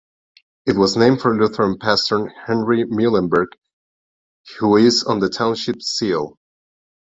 It was named for Lutheran pastor Henry Muhlenberg, who is on the township seal.